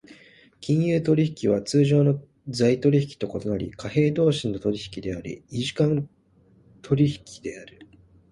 金融取引は通常の財取引と異なり、貨幣同士の取引であり、異時点間取引である。